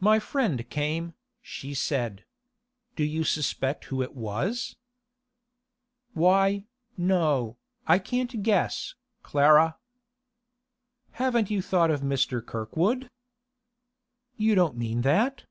'My friend came,' she said. 'Do you suspect who it was?' 'Why, no, I can't guess, Clara.' 'Haven't you thought of Mr. Kirkwood?' 'You don't mean that?